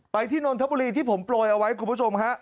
ไปที่นทบุรีที่ผมปล่อยเอาไว้คุณผู้ชมครับ